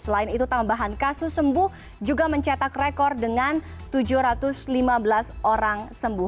selain itu tambahan kasus sembuh juga mencetak rekor dengan tujuh ratus lima belas orang sembuh